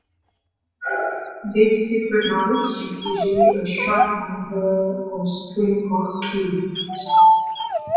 This secret knowledge is usually a short number or string called a "key".